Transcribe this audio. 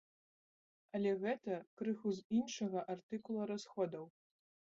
Але гэта крыху з іншага артыкула расходаў.